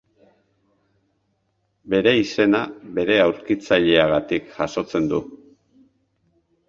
Bere izena bere aurkitzaileagatik jasotzen du.